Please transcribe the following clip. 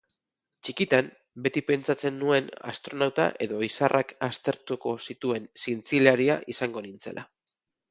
Txikitan, beti pentsatzen nuen astronauta edo izarrak aztertuko zituen zientzialaria izango nintzela.